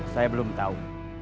saya belum tahu